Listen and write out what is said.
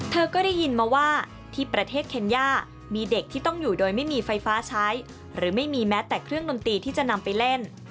เธอก็ได้ยินมาว่าที่ประเทศเคนย่ามีเด็กที่ต้องอยู่โดยไม่มีไฟฟ้าใช้หรือไม่มีแม้แต่เครื่องดนตรีที่จะนำไปเล่น